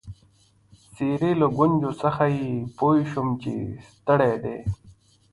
د څېرې له ګونجو څخه يې پوه شوم چي ستړی دی.